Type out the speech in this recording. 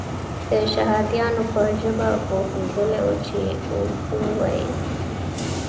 د شهادیانو په ژبه پوهېدلی وو چې اردو وایي.